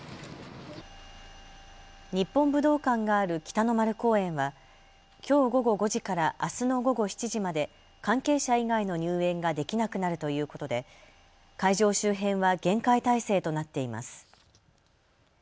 日本武道館がある北の丸公園はきょう午後５時からあすの午後７時まで関係者以外の入園ができなくなるということで会場周辺は厳戒態勢となっています。